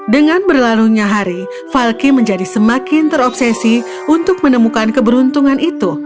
dengan berlalunya hari falky menjadi semakin terobsesi untuk menemukan keberuntungan itu